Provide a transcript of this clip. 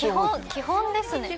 ・基本ですね・